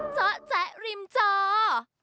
เจ้าแจ๊กลิ่มเจ้า